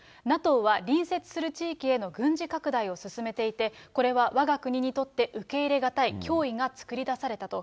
ＮＡＴＯは隣接する地域への軍事拡大を進めていて、これはわが国にとって受け入れがたい脅威が作り出されたと。